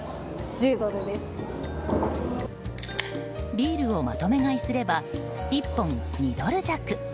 ビールをまとめ買いすれば１本２ドル弱。